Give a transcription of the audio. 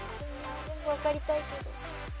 全部わかりたいけど。